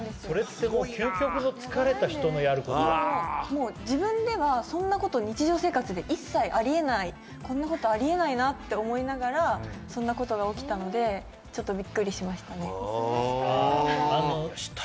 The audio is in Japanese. それってもうもう自分ではそんなこと日常生活で一切ありえないこんなことありえないなって思いながらそんなことが起きたのでちょっとびっくりしましたね。